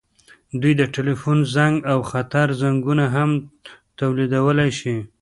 دوی د ټیلیفون زنګ او خطر زنګونه هم تولیدولی شي.